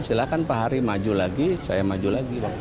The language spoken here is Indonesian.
silahkan pak hari maju lagi saya maju lagi